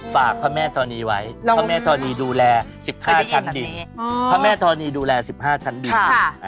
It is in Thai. ฝากพระแม่ธรณีไว้พระแม่ธรณีดูแล๑๕ชั้นดินพระแม่ธรณีดูแล๑๕ชั้นดิน